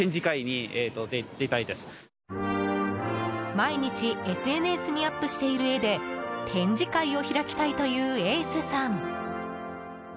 毎日、ＳＮＳにアップしている絵で展示会を開きたいというエースさん。